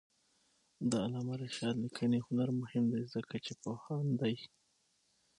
د علامه رشاد لیکنی هنر مهم دی ځکه چې پوهاند دی.